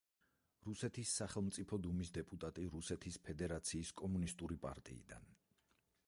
რუსეთის სახელმწიფო დუმის დეპუტატი რუსეთის ფედერაციის კომუნისტური პარტიიდან.